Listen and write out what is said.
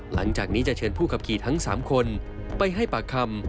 หลังจากนี้จะเชิญผู้ขับขี่ทั้ง๓คนไปให้ปากคำ